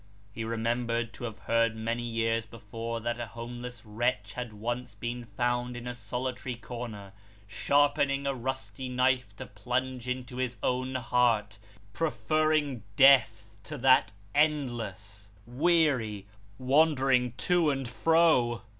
He remembered to have heard many years before that a homeless wretch had once been found in a solitary corner, sharpening a rusty knife to plunge into his own heart, preferring death to that endless, weary, wandering to and fro.